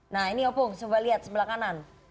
nah ini opung coba lihat sebelah kanan